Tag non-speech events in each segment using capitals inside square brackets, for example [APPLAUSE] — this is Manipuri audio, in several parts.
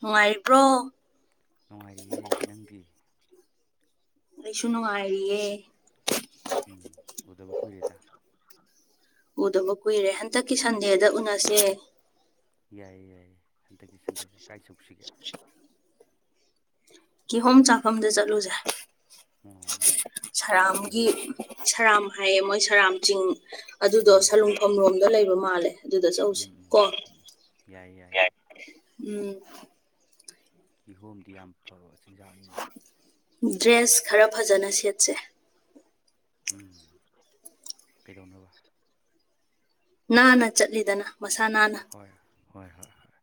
ꯅꯨꯡꯉꯥꯏꯔꯤꯕ꯭ꯔꯣ ꯅꯨꯡꯉꯥꯏꯔꯤꯌꯦ ꯅꯪꯗꯤ ꯑꯩꯁꯨ ꯅꯨꯡꯉꯥꯏꯔꯤꯌꯦ ꯎꯝ ꯎꯗꯕ ꯀꯨꯏꯔꯦꯗ ꯎꯗꯕ ꯀꯨꯏꯔꯦ ꯍꯟꯗꯛꯀꯤ ꯁꯟꯗꯦꯗ ꯎꯅꯁꯦ ꯌꯥꯏꯌꯦ ꯌꯥꯏꯌꯦ ꯍꯟꯗꯛꯀꯤ ꯁꯟꯗꯦꯗ ꯀꯥꯏ ꯆꯧꯁꯤꯒꯦ ꯀꯤꯍꯣꯝ ꯆꯥꯐꯝꯗ ꯆꯠꯂꯨꯖꯦ ꯑꯣ ꯁꯔꯥꯝꯒꯤ ꯀꯤꯍꯣꯝ ꯁꯔꯥꯝ ꯍꯥꯏꯌꯦ ꯃꯣꯏ ꯁꯔꯥꯝ ꯆꯤꯡ ꯑꯗꯨꯗꯣ ꯎꯝ ꯁꯂꯨꯡꯐ ꯔꯝꯔꯣꯝꯗ ꯂꯩꯕ ꯃꯥꯜꯂꯦ ꯑꯗꯨꯗ ꯆꯧꯁꯦ ꯀꯣ ꯌꯥꯏ ꯌꯥꯏ ꯎꯝ ꯀꯤꯍꯣꯝꯗꯤ ꯌꯥꯝ ꯐꯕ ꯆꯤꯟꯖꯥꯛꯅꯤꯅ ꯗ꯭ꯔꯦꯁ ꯈꯔ ꯐꯖꯅ ꯁꯦꯠꯁꯦ ꯎꯝ ꯀꯩꯗꯧꯅꯕ ꯅꯥꯟꯅ ꯆꯠꯂꯤꯗꯅ ꯃꯁꯥ ꯅꯥꯟꯅ ꯍꯣꯏ ꯍꯣꯏ ꯍꯣꯏ ꯍꯣꯏ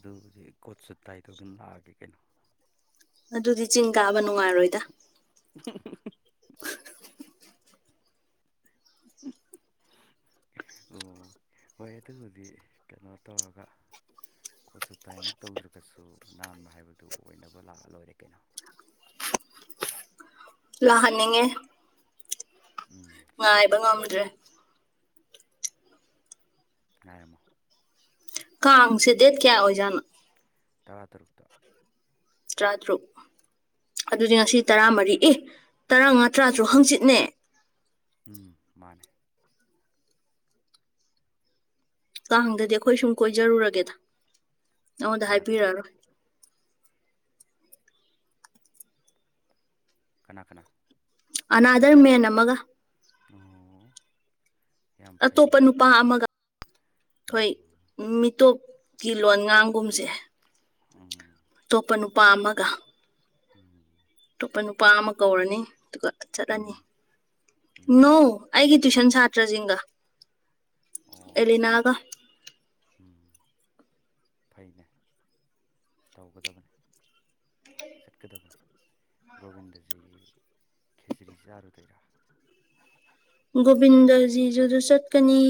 ꯑꯗꯨꯕꯨꯗꯤ ꯀꯣꯠꯁꯨ ꯇꯥꯏ ꯇꯧꯗꯅ ꯂꯥꯛꯑꯒꯦ ꯀꯩꯅꯣ ꯑꯗꯨꯗꯤ ꯆꯤꯡ ꯀꯥꯕ ꯅꯨꯡꯉꯥꯏꯔꯣꯏꯗ [INAUDIBLE] ꯎꯝ ꯍꯨ ꯍꯨ ꯑꯣ ꯍꯣꯏ ꯑꯗꯨꯕꯨꯗꯤ ꯀꯩꯅꯣ ꯇꯧꯔꯒ ꯀꯣꯠꯁꯨꯠ ꯇꯥꯏꯃꯛ ꯇꯧꯗ꯭ꯔꯒꯁꯨ ꯅꯥꯟꯕ ꯍꯥꯏꯕꯗꯨ ꯑꯣꯏꯅꯕ ꯂꯥꯛꯑ ꯂꯣꯏꯔꯦ ꯀꯩꯅꯣ ꯂꯥꯛꯍꯟꯅꯤꯡꯉꯦ ꯎꯝ ꯁꯣꯏꯗꯅ ꯇ꯭ꯔꯦ ꯉꯥꯏꯔꯝꯃꯣ ꯀꯥꯡꯁꯦ ꯗꯦꯠ ꯀꯌꯥ ꯑꯣꯏꯖꯥꯠꯅꯣ ꯇꯔꯥ ꯇꯔꯨꯛꯇ ꯇꯔꯥꯇꯔꯨꯛ ꯑꯗꯨꯗꯤ ꯉꯁꯤ ꯇꯔꯥꯃꯔꯤ ꯑꯦ ꯇꯔꯥꯃꯉꯥ ꯇꯔꯥꯇꯔꯨꯛ ꯍꯪꯆꯤꯠꯅꯦ ꯎꯝ ꯃꯥꯅꯦ ꯇꯥꯡꯗꯗꯤ ꯑꯩꯈꯣꯏ ꯁꯨꯝ ꯀꯣꯏꯖꯔꯨꯔꯒꯦꯗ ꯅꯉꯣꯟꯗ ꯀꯅꯥ ꯀꯅꯥ ꯍꯥꯏꯕꯤꯔꯛꯑꯔꯣꯏ ꯀꯅꯥ ꯀꯅꯥ ꯑꯅꯥꯗꯔ ꯃꯦꯟ ꯑꯃꯒ ꯑꯣ ꯌꯥꯝ ꯐꯩꯅꯦ ꯑꯇꯣꯞꯄ ꯅꯨꯄꯥ ꯑꯃꯒ ꯎꯝ ꯊꯣꯏ ꯃꯤꯇꯣꯞꯀꯤ ꯂꯣꯟ ꯉꯥꯡꯒꯨꯝꯁꯦ ꯎꯝ ꯑꯇꯣꯞꯄ ꯅꯨꯄꯥ ꯑꯃꯒ ꯎꯝ ꯑꯇꯣꯞꯄ ꯅꯨꯄꯥ ꯑꯃ ꯀꯧꯔꯅꯤ ꯑꯗꯨꯒ ꯎꯝ ꯆꯠꯂꯅꯤ ꯎꯝ ꯅꯣꯡ ꯑꯩꯒꯤ ꯇꯨꯏꯁꯟ ꯁꯥꯇ꯭ꯔꯁꯤꯡꯒ ꯑꯣ ꯑꯦꯂꯤꯅꯥꯒ ꯎꯝ ꯐꯩꯅꯦ ꯇꯧꯒꯗꯕꯅꯤ ꯆꯠꯀꯗꯕꯅꯤ ꯒꯣꯕꯤꯟꯗꯖꯤꯒꯤ ꯈꯦꯆ꯭ꯔꯤ ꯆꯥꯔꯨꯗꯩꯔꯥ ꯒꯣꯕꯤꯟꯗꯖꯤꯗꯨꯁꯨ ꯆꯠꯀꯅꯤ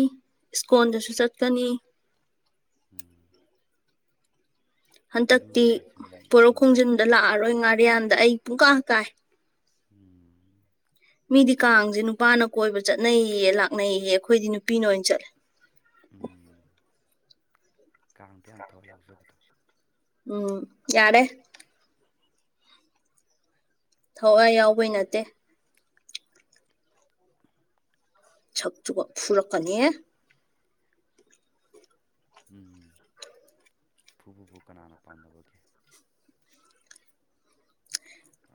ꯏꯁꯀꯣꯟꯗꯁꯨ ꯆꯠꯀꯅꯤ ꯎꯝ ꯍꯟꯗꯛꯇꯤ ꯍꯤꯟꯗꯨꯒꯤ ꯄꯣꯔꯣꯛ ꯂꯥꯏꯁꯪꯁꯤꯡꯁꯤ ꯈꯣꯡꯖꯤꯟꯗ ꯂꯥꯛꯑꯔꯣꯏ ꯉꯥꯔꯤꯌꯥꯟꯗ ꯑꯩ ꯄꯨꯨꯡꯀꯥ ꯀꯥꯏ ꯎꯝ ꯃꯤꯗꯤ ꯀꯥꯡꯁꯦ ꯅꯨꯄꯥꯅ ꯀꯣꯏꯕ ꯆꯠꯅꯩꯌꯦ ꯂꯥꯛꯅꯩꯌꯦ ꯑꯩꯈꯣꯏꯗꯤ ꯅꯨꯄꯤꯅ ꯑꯣꯏꯅ ꯆꯠꯂꯦ ꯎꯝ ꯀꯥꯡꯗ ꯌꯥꯝ ꯊꯣꯛꯑ ꯌꯥꯎꯖꯕꯗꯣ ꯎꯝ ꯌꯥꯔꯦ ꯊꯋꯥꯏ ꯌꯥꯎꯕꯩ ꯅꯠꯇꯦ ꯁꯛ ꯆꯨꯕ ꯐꯨꯔꯛꯀꯅꯤ ꯎꯝ ꯐꯨ ꯐꯨꯕꯨꯨ ꯀꯅꯥꯅ ꯄꯥꯝꯅꯕꯒꯦ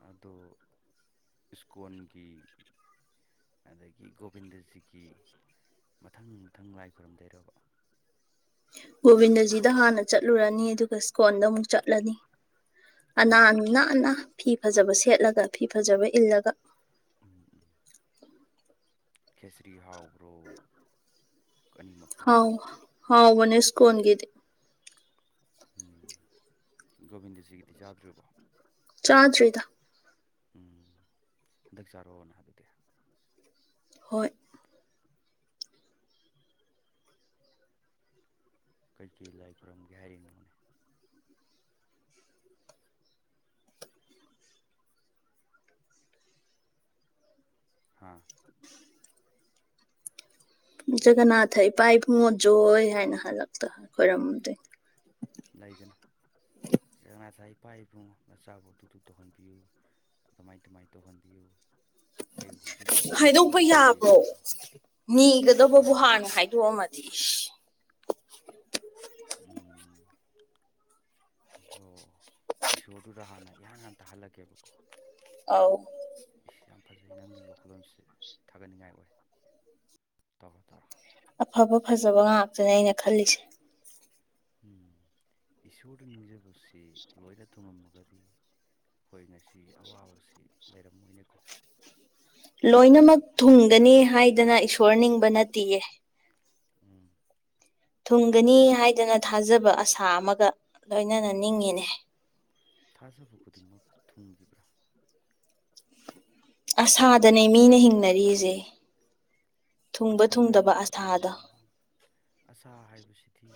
ꯑꯣ ꯁꯀꯣꯟꯒꯤ ꯑꯗꯒꯤ ꯒꯣꯕꯤꯟꯗꯖꯤꯒꯤ ꯃꯊꯪ ꯃꯊꯪ ꯂꯥꯏ ꯈꯨꯔꯨꯝꯗꯩꯔꯔꯕ ꯒꯣꯕꯤꯟꯗꯖꯤꯗ ꯍꯥꯟꯅ ꯆꯠꯂꯨꯔꯅꯤ ꯑꯗꯨꯒ ꯁ꯭ꯀꯣꯟꯜꯗ ꯑꯃꯨꯛ ꯆꯠꯂꯅꯤ ꯎꯝ ꯑꯅꯥꯨ ꯅꯥꯟꯅ ꯐꯤ ꯐꯖꯕ ꯁꯦꯠꯂꯒ ꯐꯤ ꯐꯖꯕ ꯏꯜꯂꯒ ꯎ ꯈꯦꯁꯔꯤ ꯍꯥꯎꯕ꯭ꯔꯣ ꯑꯅꯤꯃꯛꯇꯣ ꯍꯥꯎ ꯍꯥꯎ ꯃꯅꯦꯁ ꯀꯣꯟꯟꯒꯗꯦ ꯎꯝ ꯒꯣꯕꯤꯟꯗꯖꯤꯒꯤꯗꯤ ꯆꯥꯗ꯭ꯕꯣ ꯆꯥꯗ꯭ꯔꯤꯗ ꯎꯝ ꯍꯟꯗꯛ ꯆꯥꯔꯛꯑꯣꯅ ꯑꯗꯨꯗꯤ ꯍꯣꯏ ꯀꯩ ꯀꯩ ꯂꯥꯏ ꯈꯨꯔꯝꯒꯦ ꯍꯥꯏꯔꯤꯅꯣꯅꯦ ꯍꯥꯥ [INAUDIBLE] ꯖꯒꯅꯥꯊ ꯏꯄꯥ ꯏꯕꯨꯡꯉꯣꯠ ꯖꯣꯏ ꯍꯥꯏꯅ ꯍꯜꯂꯛꯇ ꯈꯣꯏꯔꯝꯗꯦ ꯂꯩꯗꯅ ꯏꯄꯥ ꯏꯄꯨ ꯃꯆꯥꯕꯨ ꯑꯗꯨꯗꯨ ꯇꯧꯍꯟꯕꯤꯌꯨ ꯑꯗꯨꯃꯥꯏ ꯇꯃꯥꯏꯅ ꯇꯧꯍꯟꯕꯤꯌꯨ ꯑꯩ ꯍꯧꯖꯤꯛ ꯍꯧꯖꯤꯛ ꯈ ꯀꯣꯜꯗ ꯍꯥꯏꯗꯣꯛꯄ ꯋꯥꯔꯤ ꯌꯥꯕ꯭ꯔꯣ ꯁꯥꯟꯅꯔꯤꯕ ꯅꯤꯒꯗꯕꯕꯨ ꯍꯥꯟꯅ ꯈ ꯅꯨꯄꯥꯁꯤꯕꯨ ꯍꯥꯏꯗꯣꯛꯑꯝꯃꯗꯤ ꯎꯝ ꯑꯣ ꯏꯁꯣꯔꯗꯨꯗ ꯍꯥꯟꯅ ꯏꯍꯥꯟ ꯍꯥꯟ ꯇꯥꯜꯒꯦꯕꯀꯣ ꯑꯥꯎ ꯏꯁ ꯌꯥꯝ ꯐꯖꯩ ꯅꯪꯒꯤ ꯋꯥꯈꯜꯂꯣꯟꯁꯦ ꯊꯥꯒꯠꯅꯤꯡꯉꯥꯏ ꯑꯣꯏ ꯇꯧꯔ ꯇꯧꯔ ꯑꯐꯕ ꯐꯖꯕ ꯉꯥꯛꯇꯅꯦ ꯑꯩꯅ ꯈꯜꯂꯤꯁꯦ ꯎ ꯏꯁꯣꯔꯗ ꯅꯤꯡꯖꯕꯁꯤ ꯂꯣꯏꯅ ꯊꯨꯡꯉꯝꯃꯒꯗꯤ ꯑꯩꯈꯣꯏ ꯉꯁꯤ ꯑꯋꯥꯕꯁꯤ ꯂꯩꯔꯝꯃꯣꯏꯅꯤꯀꯣ ꯂꯣꯏꯅꯃꯛ ꯊꯨꯡꯒꯅꯤ ꯍꯥꯏꯗꯅ ꯏꯁꯣꯔ ꯅꯤꯡꯕ ꯅꯠꯇꯦꯌꯦ ꯎꯝ ꯊꯨꯡꯒꯅꯤ ꯍꯥꯏꯗꯅ ꯊꯥꯖꯕ ꯑꯁꯥ ꯑꯃꯒ ꯂꯣꯏꯅꯅ ꯎꯝ ꯅꯤꯡꯉꯤꯅꯦ ꯊꯥꯖꯕ ꯈꯨꯗꯤꯡꯃꯛ ꯊꯨꯡꯈꯤꯕ꯭ꯔꯥ ꯑꯁꯥꯗꯅꯦ ꯃꯤꯅ ꯍꯤꯡꯅꯔꯤꯁꯦ ꯊꯨꯡꯕ ꯑꯁꯥ ꯊꯨꯡꯗꯕ ꯑꯁꯥꯗ ꯑꯆꯥꯥ ꯍꯥꯏꯕꯁꯤꯗꯤ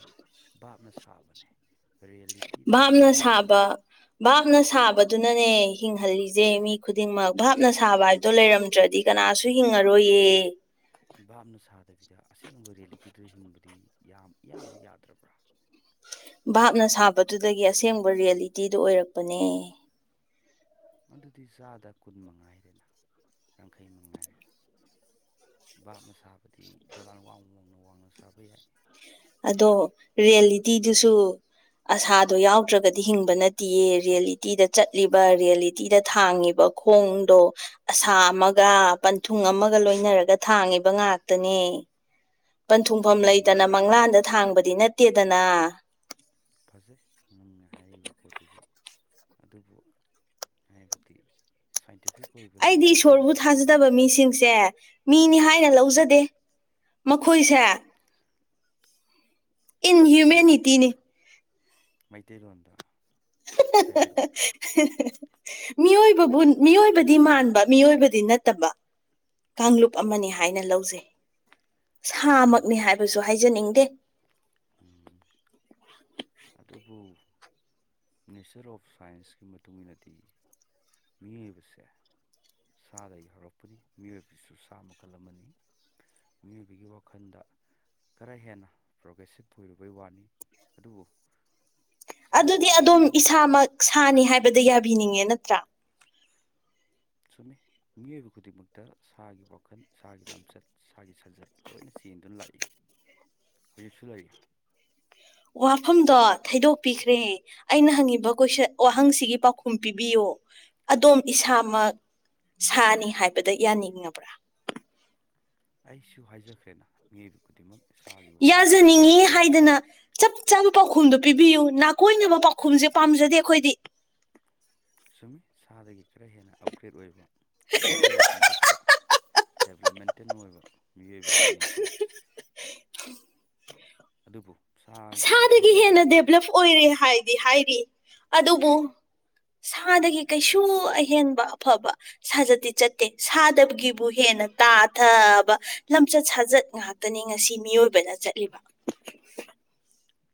ꯚꯥꯞꯅ ꯁꯥꯕꯅꯦꯔꯤꯌꯦ ꯚꯥꯞꯅ ꯁꯥꯕ ꯚꯥꯞꯅ ꯁꯥꯕꯗꯨꯅꯅꯦ ꯍꯤꯡꯍꯜꯂꯤꯁꯦ ꯃꯤ ꯈꯨꯗꯤꯡꯃꯛ ꯚꯥꯞꯅ ꯁꯥꯕ ꯍꯥꯏꯕꯗꯣ ꯂꯩꯔꯝꯗ꯭ꯔꯗꯤ ꯀꯅꯥꯁꯨ ꯍꯤꯡꯉꯔꯣꯏꯌꯦ ꯕꯥꯞꯅ ꯁꯥꯗꯕꯤꯗ ꯑꯁꯦꯡꯕ ꯔꯤꯌꯦꯂꯤꯇꯤꯗꯨ ꯍꯤꯡꯕꯗꯤ ꯌꯥꯝ ꯏꯌꯥꯝꯃꯛ ꯌꯥꯗ꯭ꯔꯕ꯭ꯔꯥ ꯚꯥꯞꯅ ꯁꯥꯕꯗꯨꯗꯒꯤ ꯑꯁꯦꯡꯕ ꯔꯤꯌꯦꯂꯤꯇꯤꯗꯨ ꯑꯣꯏꯔꯛꯄꯅꯦ ꯑꯗꯨꯗꯤ ꯆꯥꯗ ꯀꯨꯟ ꯃꯉꯥꯏꯔꯦꯅ ꯌꯥꯡꯈꯩ ꯃꯉꯥꯏꯔꯦ ꯕꯥꯥꯞꯅ ꯁꯥꯕꯗꯤ ꯗꯣꯂꯥꯟ ꯋꯥꯡ ꯋꯥꯡꯅ ꯋꯥꯡꯅ ꯁꯥꯕ ꯌꯥꯏ ꯑꯗꯣ ꯎꯝ ꯔꯤꯌꯦꯂꯤꯇꯤꯗꯨꯁꯨ ꯑꯁꯥꯗꯣ ꯌꯥꯎꯗ꯭ꯔꯒꯗꯤ ꯍꯤꯡꯕ ꯅꯠꯇꯦꯌꯦ ꯔꯤꯌꯦꯂꯤꯇꯤꯗ ꯆꯠꯂꯤꯕ ꯔꯤꯌꯦꯂꯤꯇꯤꯗ ꯊꯥꯡꯉꯤꯕ ꯈꯣꯡꯗꯣ ꯑꯁꯥ ꯑꯃꯒ ꯄꯟꯊꯨꯡ ꯑꯃꯒ ꯂꯣꯏꯅꯔꯒ ꯊꯥꯡꯉꯤꯕ ꯉꯥꯛꯇꯅꯦ ꯄꯟꯊꯨꯡꯐꯝ ꯂꯩꯇꯅ ꯎꯝ ꯃꯪꯂꯥꯟꯗ ꯊꯥꯡꯕꯗꯤ ꯅꯠꯇꯦꯗꯅ ꯐꯖꯩ ꯅꯪꯅ ꯍꯥꯏꯔꯤꯕ ꯄꯣꯠꯇꯨꯁꯨ ꯑꯗꯨꯕꯨ ꯍꯥꯏꯕꯗꯤ ꯁꯥꯏꯟꯇꯤꯐꯤꯛ ꯑꯣꯏꯕ ꯑꯩꯗꯤ ꯂꯦꯡꯒ꯭ꯋꯦꯖ ꯏꯁꯣꯔꯕꯨ ꯑꯗꯨꯗ ꯊꯥꯖꯗꯕ ꯃꯤꯁꯤꯡ ꯁꯦ ꯃꯤꯅꯤ ꯍꯥꯏꯅ ꯂꯧꯖꯗꯦ ꯃꯈꯣꯏꯁꯦ ꯀꯔꯤ ꯏꯟꯍ꯭ꯌꯨꯃꯦꯅꯤꯇꯤꯅꯤ ꯃꯩꯇꯩꯂꯣꯟꯗ ꯍꯥꯏꯕꯤꯔꯛꯑꯣ ꯃꯤꯑꯣꯏꯕꯕꯨ ꯃꯤꯑꯣꯏꯕꯗꯤ ꯃꯥꯟꯕ ꯃꯤꯑꯣꯏꯕꯗꯤ ꯅꯠꯇꯕ ꯀꯥꯡꯂꯨꯞ ꯑꯃꯅꯤ ꯍꯥꯏꯅ ꯂꯧꯖꯩ ꯁꯥꯃꯛꯅꯤ ꯎꯝ ꯍꯥꯏꯕꯁꯨ ꯍꯥꯏꯖꯅꯤꯡꯗꯦ ꯎꯝ ꯑꯗꯨꯕꯨ ꯃꯤꯅꯤꯁꯇꯔ ꯑꯣꯐ ꯁꯥꯏꯟꯁꯀꯤ ꯃꯇꯨꯡ ꯏꯟꯅꯗꯤ ꯃꯤꯑꯣꯏꯕꯁꯦ ꯁꯥꯗ ꯌꯥꯎꯔꯛꯄꯅꯤ ꯃꯤꯑꯣꯏꯕꯁꯨ ꯁꯥ ꯃꯈꯜ ꯑꯃꯅꯤ ꯃꯤꯑꯣꯏꯕꯒꯤ ꯋꯥꯈꯜꯗ ꯈꯔ ꯍꯦꯟꯅ ꯄ꯭ꯔꯣꯒ꯭ꯔꯦꯁꯤꯞ ꯑꯣꯏꯔꯨꯕꯩ ꯋꯥꯅꯤ ꯑꯗꯨꯕꯨ ꯁꯥ ꯑꯗꯨꯗꯤ ꯑꯗꯨꯝ ꯑꯃꯒꯨꯝꯕꯅꯤ ꯏꯁꯥꯃꯛ ꯁꯥꯅꯤ ꯍꯥꯏꯕꯗ ꯌꯥꯕꯤꯅꯤꯡꯉꯦ ꯅꯠꯇ꯭ꯔꯥ ꯆꯨꯝꯃꯤ ꯃꯤꯑꯣꯏꯕ ꯈꯨꯗꯤꯡꯃꯛꯇ ꯁꯥꯒꯤ ꯋꯥꯈꯜ ꯁꯥꯒꯤ ꯂꯝꯆꯠ ꯏꯁꯒꯤ ꯁꯥꯖꯠ ꯂꯣꯏꯅ ꯆꯦꯟꯗꯨꯅ ꯂꯥꯛꯏ ꯍꯧꯖꯤꯛꯁꯨ ꯂꯩꯔꯤ ꯋꯥꯐꯝꯗꯣ ꯊꯩꯗꯣꯛꯄꯤꯈ꯭ꯔꯦ ꯑꯩꯅ ꯍꯪꯉꯤꯕ ꯀꯣꯏꯁꯟ ꯋꯥꯍꯪꯁꯤꯒꯤ ꯄꯥꯎꯈꯨꯝ ꯄꯤꯕꯤꯌꯣ ꯑꯗꯣꯝ ꯏꯁꯥꯃꯛ ꯁꯥꯅꯤ ꯍꯥꯏꯕꯗ ꯌꯥꯅꯤꯡꯉꯕ꯭ꯔꯥ ꯑꯩꯁꯨ ꯍꯥꯏꯖꯈ꯭ꯔꯦꯅ ꯃꯤꯑꯣꯏꯕ ꯈꯨꯗꯤꯡꯃꯛ ꯏꯁꯥꯒꯤ ꯋꯥꯈꯜ ꯏꯁꯥꯒꯤ ꯌꯥꯖꯅꯤꯡꯉꯤ ꯁꯥꯥꯖꯠ ꯍꯥꯏꯗꯅ ꯆꯞ ꯆꯥꯕ ꯄꯥꯎꯈꯨꯝꯗꯣ ꯄꯤꯕꯤꯌꯨ ꯅꯥꯀꯣꯏꯅꯕ ꯄꯥꯎꯈꯨꯝꯁꯦ ꯄꯥꯝꯖꯗꯦ ꯑꯩꯈꯣꯏꯗꯤ ꯆꯨꯝꯃꯤ ꯁꯥꯗꯒꯤ ꯈꯔ ꯍꯦꯟꯅ ꯑꯞꯒ꯭ꯔꯦꯗ ꯑꯣꯏꯕ [UNINTELLIGIBLE] ꯋꯥꯈꯜ ꯂꯧꯁꯤꯡꯊꯣꯛꯄ ꯗꯦꯕꯂꯞꯃꯦꯟꯇꯦꯟ ꯑꯣꯏꯕ ꯃꯤꯑꯣꯏꯕ ꯑꯃꯅꯤ ꯑꯩꯈꯣꯏꯁꯦ ꯑꯗꯨꯕꯨ ꯁꯥꯒꯤ ꯁꯥꯗꯒꯤ ꯋꯥꯈꯜꯂꯣꯟ ꯑꯗꯣ ꯍꯦꯟꯅ ꯗꯦꯕꯂꯞ ꯑꯣꯏꯔꯦ ꯍꯥꯏꯗꯤ ꯍꯥꯏꯔꯤ ꯑꯗꯨꯕꯨ ꯁꯥꯗꯒꯤ ꯀꯩꯁꯨ ꯑꯍꯦꯟꯕ ꯑꯐꯕ ꯁꯥꯖꯠꯇꯤ ꯆꯠꯇꯦ ꯁꯥꯗꯕꯒꯤꯕꯨ ꯍꯦꯟꯅ ꯇꯥꯊꯕ ꯂꯝꯆꯠ ꯁꯥꯖꯠ ꯉꯥꯛꯇꯅꯤ ꯉꯁꯤ ꯃꯤꯑꯣꯏꯕꯅ ꯆꯠꯂꯤꯕ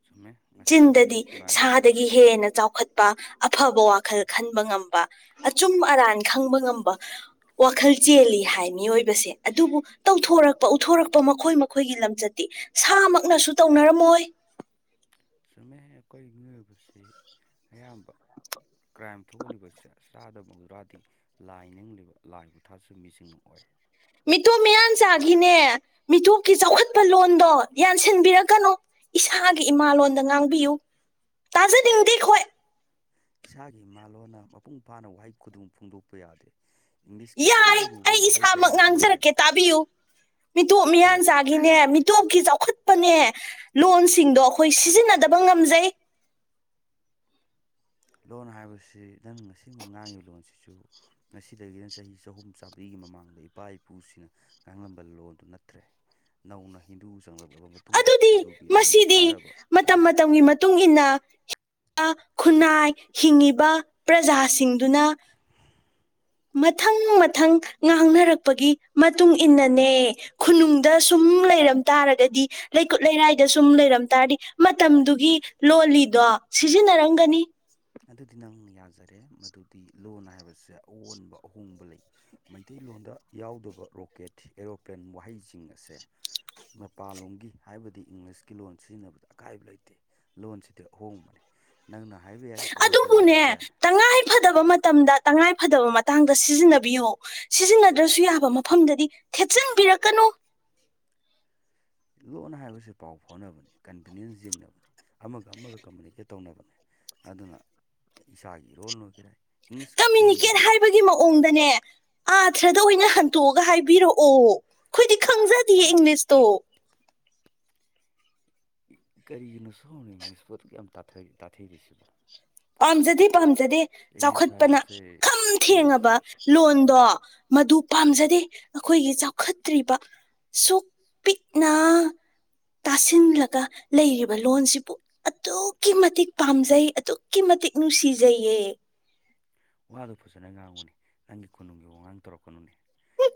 ꯁꯨꯝꯃꯦ ꯆꯤꯟꯗꯗꯤ ꯁꯥꯗꯒꯤ ꯍꯦꯟꯅ ꯆꯥꯎꯈꯠꯄ ꯑꯐꯕ ꯋꯥꯈꯜ ꯈꯟꯕ ꯉꯝꯕ ꯑꯆꯨꯝ ꯑꯔꯥꯟ ꯈꯪꯕ ꯉꯝꯕ ꯋꯥꯈꯜ ꯆꯦꯜꯂꯤ ꯍꯥꯏ ꯃꯤꯑꯣꯏꯕꯁꯦ ꯑꯗꯨꯕꯨ ꯇꯧꯊꯣꯔꯛꯄ ꯎꯊꯣꯔꯛꯄ ꯃꯈꯣꯏ ꯃꯈꯣꯏꯒꯤ ꯂꯝꯆꯠꯇꯤ ꯁꯥꯃꯛꯅꯁꯨ ꯇꯧꯅꯔꯝꯃꯣꯏ ꯆꯨꯝꯃꯦ ꯑꯩꯈꯣꯏ ꯃꯤꯑꯣꯏꯕꯁꯤ ꯑꯌꯥꯝꯕ ꯀ꯭ꯔꯥꯏꯝ ꯊꯣꯛꯒꯂꯤꯕꯁꯦ ꯆꯥꯗ [UNINTELLIGIBLE] ꯇꯤ ꯂꯥꯏ ꯅꯤꯡꯂꯤꯕ ꯂꯥꯏꯕꯨ ꯊꯥꯁꯨ ꯃꯤꯁꯤꯡꯅ ꯑꯣꯏ ꯃꯤꯇꯣꯞ ꯃꯤꯌꯥꯟꯆꯥꯥꯒꯤꯅꯦ ꯃꯤꯇꯣꯞꯀꯤ ꯆꯥꯎꯈꯠꯄ ꯂꯣꯟꯗꯣ ꯌꯥꯟꯁꯤꯟꯕꯤꯔꯛꯀꯅꯨ ꯏꯁꯥꯒꯤ ꯏꯃꯥꯂꯣꯟꯗ ꯉꯥꯡꯕꯤꯌꯨ ꯇꯥꯖꯅꯤꯡꯗꯦ ꯑꯩꯈꯣꯏ ꯏꯁꯥꯒꯤ ꯏꯃꯥꯂꯣꯟꯣꯟꯅ ꯃꯄꯨꯡ ꯐꯥꯅ ꯋꯥꯍꯩ ꯈꯨꯗꯣꯡ ꯐꯣꯡꯗꯣꯛꯄ ꯌꯥꯗꯦ ꯏꯪꯂꯤꯁꯀꯤ ꯑꯔꯨ ꯑꯔꯨꯕ ꯋꯥꯍꯩ ꯀꯌꯥ ꯑꯃꯔꯣꯝ ꯄꯤꯌꯨ ꯃꯤꯇꯣꯞ ꯍꯥꯏꯔꯛꯎꯅꯦ ꯃꯤꯌꯥꯟꯆꯥꯒꯤ ꯅꯦ ꯃꯤꯇꯣꯞꯀꯤ ꯆꯥꯎꯈꯠꯄꯅꯦ ꯂꯣꯟꯁꯤꯡꯗꯣ ꯑꯩꯈꯣꯏ ꯁꯤꯖꯤꯟꯅꯗꯕ ꯉꯝꯖꯩ ꯂꯣꯟ ꯍꯥꯏꯕꯁꯤ ꯅꯪ ꯉꯁꯤꯃꯛ ꯉꯥꯡꯉꯤꯕ ꯂꯣꯟꯁꯤꯁꯨ ꯉꯁꯤꯗꯒꯤꯅ ꯆꯍꯤ ꯆꯍꯨꯝ ꯆꯥꯝꯃꯔꯤꯒꯤ ꯃꯃꯥꯡꯗ ꯏꯄꯥ ꯏꯄꯨꯁꯤꯡꯅ ꯉꯥꯡꯂꯝꯕ ꯂꯣꯟꯗꯨ ꯅꯠꯇ꯭ꯔꯦ ꯅꯧꯅ ꯍꯤꯟꯗꯨ ꯆꯪꯂꯕ ꯂꯥꯛꯂꯕ ꯃꯇꯨꯡꯗ ꯑꯗꯨꯗꯤ ꯍꯤꯟꯗꯨꯒꯤ ꯂꯣꯟ ꯃꯁꯤꯗꯤ ꯁꯤꯖꯤꯟꯅꯕ ꯃꯇꯝ ꯋꯥꯍꯩꯅꯤ ꯃꯇꯝꯒꯤ ꯃꯇꯨꯡ ꯏꯟꯅ ꯈꯨꯟꯅꯥꯏ ꯍꯤꯡꯉꯤꯕ ꯄ꯭ꯔꯖꯥꯁꯤꯡꯗꯨꯅ ꯃꯊꯪ ꯃꯊꯪ ꯉꯥꯡꯅꯔꯛꯄꯒꯤ ꯃꯇꯨꯡ ꯏꯟꯅꯅꯦ ꯈꯨꯅꯨꯡꯗ ꯁꯨꯝ ꯂꯩꯔꯝ ꯇꯥꯔꯒꯗꯤ ꯂꯩꯀꯨꯠ ꯂꯩꯔꯥꯏꯗ ꯁꯨꯝ ꯂꯩꯔꯝ ꯇꯥꯔꯗꯤ ꯃꯇꯝꯗꯨꯒꯤ ꯂꯣꯜꯂꯤꯗꯣ ꯁꯤꯖꯤꯟꯅꯔꯝꯒꯅꯤ ꯑꯗꯨꯗꯤ ꯅꯪꯅ ꯌꯥꯖꯔꯦ ꯃꯗꯨꯗꯤ ꯂꯣꯟ ꯍꯥꯏꯕꯁꯦ ꯑꯑꯣꯟꯕ ꯑꯍꯣꯡꯕ ꯂꯩ ꯃꯩꯇꯩꯂꯣꯟꯗ ꯌꯥꯎꯗꯕ ꯔꯣꯀꯦꯠ ꯑꯦꯔꯣꯄ꯭ꯂꯦꯟ ꯋꯥꯍꯩꯁꯤꯡ ꯑꯁꯦ ꯃꯄꯥꯟꯂꯣꯝꯒꯤ ꯍꯥꯏꯕꯗꯤ ꯏꯪꯂꯤꯁꯀꯤ ꯂꯣꯟ ꯁꯤꯖꯤꯟꯅꯕꯗ ꯑꯀꯥꯏꯕ ꯂꯩꯇꯦ ꯂꯣꯟꯁꯤꯗꯤ ꯑꯍꯣꯡꯕꯅꯦ ꯅꯪꯅ ꯍꯥꯏꯕ ꯌꯥꯏ ꯑꯦꯔꯣꯄ꯭ꯂꯦꯟ ꯑꯗꯨꯕꯨꯅꯦ ꯍꯥꯏꯕꯁꯦ ꯇꯉꯥꯏ ꯐꯗꯕ ꯃꯇꯝꯗ ꯇꯉꯥꯏ ꯐꯗꯕ ꯃꯇꯥꯡꯗ ꯁꯤꯖꯤꯟꯅꯕꯤꯌꯨ ꯁꯤꯖꯤꯟꯅꯗ꯭ꯔꯁꯨ ꯌꯥꯕ ꯃꯐꯝꯗꯗꯤ ꯊꯦꯠꯆꯟꯕꯤꯔꯛꯀꯅꯣ ꯂꯣꯟ ꯍꯥꯏꯕꯁꯤ ꯄꯥꯎ ꯐꯥꯎꯅꯕꯅꯤ ꯀꯟꯚꯤꯅꯦꯟꯁ ꯌꯦꯡꯅꯕꯅꯤ ꯑꯃꯒ ꯑꯃꯒ ꯀꯝꯃꯨꯅꯤꯀꯦꯠ ꯇꯧꯅꯕꯅꯤ ꯑꯗꯨꯅ ꯏꯁꯥꯒꯤ ꯏꯔꯣꯜ ꯑꯣꯏꯒꯦꯔꯥ ꯏꯪꯂꯤꯁꯀꯤ ꯀꯃꯌꯨꯅꯤꯀꯦꯠ ꯂꯣꯟꯒꯦꯔꯥ ꯍꯥꯏꯕꯒꯤ ꯃꯑꯣꯡꯗꯅꯦ ꯑꯥꯊ꯭ꯔꯗ ꯑꯣꯏꯅ ꯍꯟꯇꯣꯛꯑꯒ ꯍꯥꯏꯕꯤꯔꯛꯑꯣ ꯑꯣ ꯑꯩꯈꯣꯏꯗꯤ ꯈꯪꯖꯗꯤꯌꯦ ꯏꯪꯂꯤꯁꯇꯣ ꯀꯔꯤꯒꯤꯅꯣ ꯁꯣꯝꯅ ꯏꯂꯤꯁꯄꯣ ꯑꯗꯨꯛ ꯌꯥꯝ ꯇꯥꯊ ꯇꯥꯊꯤꯔꯤꯁꯤꯕꯣ ꯄꯥꯝꯖꯗꯦ ꯄꯥꯝꯖꯗꯦ ꯏꯪꯂꯤꯁ ꯆꯥꯎꯈꯠꯄꯅ ꯍꯥꯏꯕꯁꯦ ꯈꯝ ꯏꯪꯂꯤꯁ ꯊꯦꯡꯉꯕ ꯂꯣꯟꯗꯣ ꯃꯗꯨ ꯄꯥꯝꯖꯗꯦ ꯑꯩꯈꯣꯏꯒꯤ ꯆꯥꯎꯈꯠꯇ꯭ꯔꯤꯕ ꯁꯨꯛ ꯄꯤꯛꯅ ꯇꯥꯁꯤꯜꯂꯒ ꯂꯩꯔꯤꯕ ꯂꯣꯟꯁꯤꯕꯨ ꯑꯗꯨꯛꯀꯤ ꯃꯇꯤꯛ ꯄꯥꯝꯖꯩ ꯑꯗꯨꯛ ꯑꯗꯨꯛꯀꯤ ꯃꯇꯤꯛ ꯅꯨꯡꯁꯤꯖꯩꯌꯦ ꯋꯥꯗꯨꯣ ꯐꯖꯅ ꯉꯥꯡꯕꯨꯅꯤ ꯅꯪꯒꯤ ꯈꯨꯣꯅꯨꯡꯒꯤ ꯋꯥꯉꯥꯡ ꯇꯧꯔꯛꯀꯅꯨꯅꯦ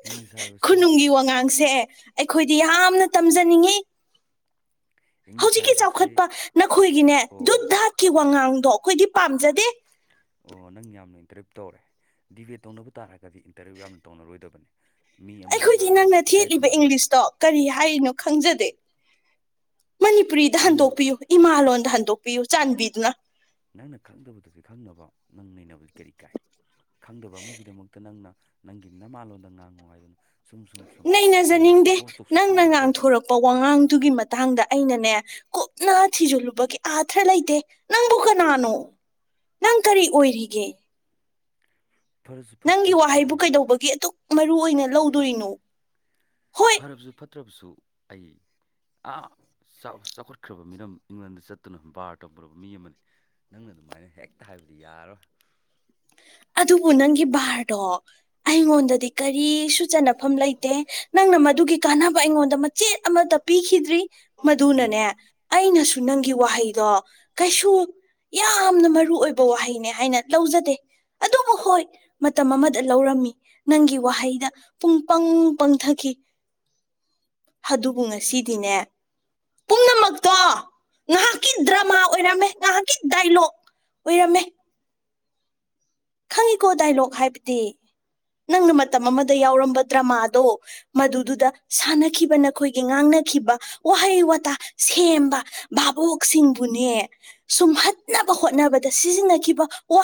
ꯏꯪꯂꯤꯁ ꯍꯥꯏꯕꯁꯦ ꯈꯨꯅꯨꯡꯒꯤ ꯋꯥꯉꯥꯡꯁꯦ ꯑꯩꯈꯣꯏꯗꯤ ꯌꯥꯝꯅ ꯇꯝꯖꯅꯤꯡꯉꯤ ꯏꯪꯂꯤꯁ ꯍꯧꯖꯤꯛꯀꯤ ꯆꯥꯎꯈꯠꯄ ꯍꯥꯏꯕꯁꯤ ꯅꯈꯣꯏꯒꯤꯅꯦ ꯙꯨꯠ ꯑꯣ ꯙꯥꯠꯀꯤ ꯋꯥꯉꯥꯡꯗꯣ ꯑꯩꯈꯣꯏꯗꯤ ꯄꯥꯝꯖꯗꯦ ꯑꯣ ꯅꯪ ꯌꯥꯝꯅ ꯏꯟꯇꯔꯚꯤꯌꯨ ꯇꯧꯔꯦ ꯗꯤꯕꯦꯠ ꯇꯧꯅꯕ ꯇꯥꯔꯒꯗꯤ ꯏꯟꯇꯔꯚꯤꯨ ꯌꯥꯝꯅ ꯇꯧꯅꯔꯣꯏꯗꯕꯅꯤ ꯃꯤ ꯑꯃꯅ ꯑꯩꯈꯣꯏꯗꯤ ꯉꯥꯡꯕꯗꯣ ꯅꯪꯅ ꯏꯀꯥꯏ ꯊꯦꯠꯂꯤꯕ ꯈꯨꯝꯅꯒꯗꯝꯕꯅꯤ ꯏꯪꯂꯤꯁꯇꯣ ꯀꯔꯤ ꯍꯥꯏꯔꯤꯅꯣ ꯈꯪꯖꯗꯦ ꯃꯅꯤꯄꯨꯔꯤꯗ ꯅꯪꯅ ꯍꯟꯗꯣꯛꯄꯤꯌꯨ ꯏꯃꯥꯂꯣꯟꯗ ꯍꯟꯗꯣꯛꯄꯤꯌꯨ ꯆꯥꯟꯕꯤꯗꯨꯅ ꯅꯪꯅ ꯈꯪꯗꯕꯗꯨꯗꯤ ꯈꯪꯅꯕ ꯅꯪ ꯅꯩꯅꯕꯗꯤ ꯀꯔꯤ ꯀꯥꯏ ꯈꯪꯗꯕ ꯑꯃꯒꯤꯗꯃꯛꯇ ꯅꯪꯅ ꯅꯪꯒꯤ ꯅꯃꯥꯂꯣꯟꯣꯟꯗ ꯉꯥꯡꯉꯨ ꯍꯥꯏꯗꯅ ꯁꯨꯝ ꯁꯨꯝ ꯁꯨꯝ ꯍꯦꯟꯅ ꯅꯩꯅꯖꯅꯤꯡꯗꯦ ꯏꯝꯄꯣꯁ ꯇꯧꯁꯜꯂꯛꯄ ꯅꯪꯅ ꯃꯔꯝ ꯀꯔꯤꯒꯤꯅꯣ ꯉꯥꯡꯊꯣꯔꯛꯄ ꯋꯥꯉꯥꯡꯗꯨꯒꯤ ꯃꯇꯥꯡꯗ ꯑꯩꯅꯅꯦ ꯀꯨꯞꯅ ꯊꯤꯖꯤꯜꯂꯨꯕꯒꯤ ꯑꯥꯊ꯭ꯔ ꯂꯩꯇꯦ ꯅꯪꯕꯨ ꯀꯅꯥꯅꯣ ꯅꯪ ꯀꯔꯤ ꯑꯣꯏꯔꯤꯒꯦ ꯐꯔꯁꯨ ꯅꯪꯒꯤ ꯐꯠꯇ꯭ꯔꯕꯁꯨ ꯋꯥꯍꯩꯕꯨ ꯑꯩ ꯀꯩꯗꯧꯕꯒꯤ ꯑꯗꯨꯛ ꯃꯔꯨꯏ ꯑꯣꯏꯅ ꯂꯧꯗꯣꯔꯤꯅꯣ ꯍꯣꯏ ꯐꯠꯇ꯭ꯔꯕꯁꯨ ꯐꯠꯇ꯭ꯔꯕꯁꯨ ꯑꯩ ꯑ ꯆꯥꯎ ꯆꯥꯎꯈꯠꯈ꯭ꯔꯕ ꯃꯤꯅꯝ ꯏꯪꯂꯦꯟꯗ ꯆꯠꯇꯨꯅ ꯕꯥꯔ ꯇꯧꯈꯨꯔꯕ ꯃꯤ ꯑꯃꯅꯤ ꯅꯪꯅ ꯑꯗꯨꯃꯥꯏꯅ ꯍꯦꯛꯇ ꯍꯥꯏꯕꯗꯤ ꯌꯥꯔꯣꯏ ꯑꯗꯨꯕꯨ ꯅꯪꯒꯤ ꯕꯥꯔꯗꯣ ꯑꯩꯉꯣꯟꯗꯗꯤ ꯀꯔꯤꯁꯨ ꯆꯟꯅꯐꯝ ꯂꯩꯇꯦ ꯅꯪꯅ ꯃꯗꯨꯒꯤ ꯀꯥꯟꯅꯕ ꯑꯩꯉꯣꯟꯗ ꯃꯆꯦꯠ ꯑꯃꯠꯇ ꯄꯤꯈꯤꯗ꯭ꯔꯤ ꯅꯣ ꯃꯗꯨꯅꯅꯦ ꯑꯩꯅꯁꯨ ꯅꯪꯒꯤ ꯋꯥꯍꯩꯗꯣ ꯀꯩꯁꯨ ꯌꯥꯝꯅ ꯃꯔꯨ ꯑꯣꯏꯕ ꯋꯥꯍꯩꯅꯦ ꯍꯥꯏꯅ ꯂꯧꯖꯗꯦ ꯑꯗꯨꯕꯨ ꯍꯣꯏ ꯃꯇꯝ ꯑꯃꯗ ꯂꯧꯔꯝꯃꯤ ꯅꯪꯒꯤ ꯋꯥꯍꯩꯗ ꯄꯨꯡ ꯄꯪ ꯄꯪꯊꯈꯤ ꯑꯗꯨꯕꯨ ꯉꯁꯤꯗꯤꯅꯦ ꯄꯨꯝꯅꯃꯛꯇꯣ ꯉꯥꯏꯍꯥꯛꯀꯤ ꯗ꯭ꯔꯃꯥ ꯑꯣꯏꯔꯝꯃꯦ ꯉꯥꯏꯍꯥꯛꯀꯤ ꯗꯥꯏꯂꯣꯛ ꯎꯔꯝꯃꯦ ꯈꯪꯉꯤꯀꯣ ꯗꯥꯏꯂꯣꯛ ꯍꯥꯏꯕꯗꯤ ꯅꯪꯅ ꯃꯇꯝ ꯑꯃꯗ ꯌꯥꯎꯔꯝꯕ ꯗ꯭ꯔꯃꯥꯗꯣ ꯃꯗꯨꯗꯨꯗ ꯁꯥꯟꯅꯈꯤꯕ ꯅꯈꯣꯏꯒꯤ ꯉꯥꯡꯅꯈꯤꯕ ꯋꯥꯍꯩ ꯋꯥꯇꯥ ꯁꯦꯝꯕ ꯚꯥꯕꯣꯛꯁꯤꯡꯕꯨꯅꯦ ꯁꯨꯝꯍꯠꯅꯕ ꯍꯣꯠꯅꯕꯗ ꯁꯤꯖꯤꯟꯅꯈꯤꯕ ꯋꯥ